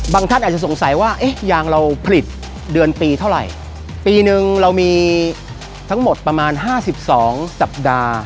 ท่านอาจจะสงสัยว่าเอ๊ะยางเราผลิตเดือนปีเท่าไหร่ปีนึงเรามีทั้งหมดประมาณห้าสิบสองสัปดาห์